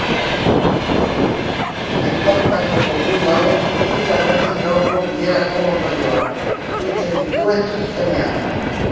Aipatutako kopuru hauek ez dira agertzen gaurko bilerako ondorioak biltzen dituen txostenean.